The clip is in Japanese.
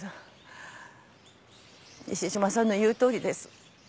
西島さんの言うとおりです。